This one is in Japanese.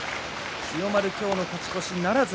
千代丸、今日の勝ち越しならず。